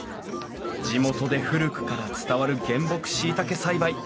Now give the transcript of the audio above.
地元で古くから伝わる原木しいたけ栽培。